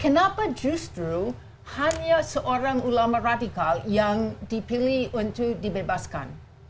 kenapa justru hanya seorang ulama radikal yang dipilih untuk dibebaskan